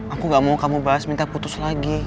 aku gak mau kamu bahas minta putus lagi